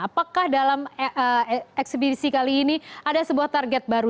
apakah dalam eksebisi kali ini ada sebuah target baru